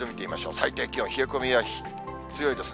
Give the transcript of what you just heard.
最低気温、冷え込みは強いですね。